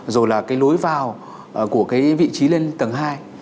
rồi là cái lối vào của cái vị trí lên tầng hai